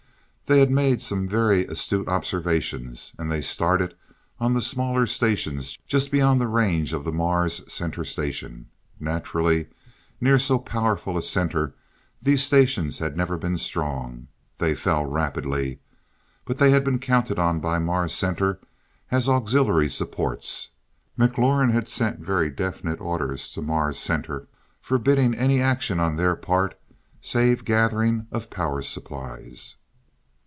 They had made some very astute observations, and they started on the smaller stations just beyond the range of the Mars Center Station. Naturally, near so powerful a center, these stations had never been strong. They fell rapidly. But they had been counted on by Mars Center as auxiliary supports. McLaurin had sent very definite orders to Mars Center forbidding any action on their part, save gathering of power supplies.